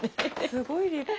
すごい立派。